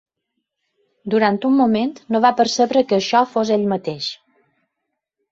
Durant un moment, no va percebre que això fos ell mateix.